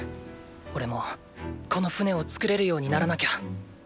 おれもこの船を作れるようにならなきゃ。